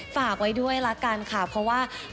ฝากไว้ด้วยละกันค่ะเพราะว่า